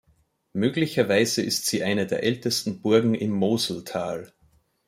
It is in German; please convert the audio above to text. Möglicherweise ist sie eine der ältesten Burgen im Moseltal.